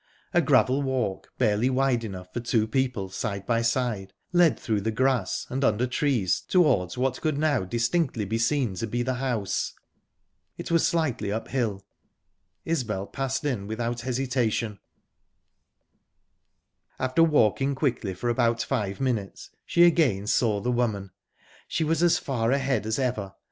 A gravel walk, barely wide enough for two people side by side, led through the grass and under trees towards what could now distinctly be seen to be the house. It was slightly uphill. Isbel passed in without hesitation. After walking quickly for about five minutes, she again saw the woman. She was as far ahead as ever.